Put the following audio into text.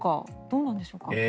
どうなんでしょうか。